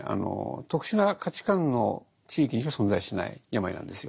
特殊な価値観の地域にしか存在しない病なんですよ。